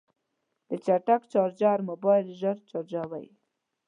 د چټک چارجر موبایل ژر چارجوي.